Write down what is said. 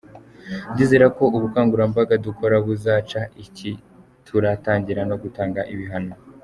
Ndizera ko ubukangurambaga dukora buzaca iki turatangira no gutanga ibihano".